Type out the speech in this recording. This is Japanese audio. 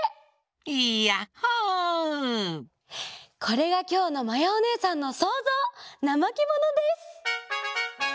これがきょうのまやおねえさんのそうぞう「なまけもの」です。